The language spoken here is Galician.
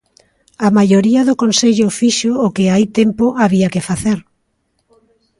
A maioría do Consello fixo o que hai tempo había que facer.